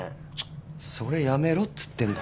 それやめろっつってんだ。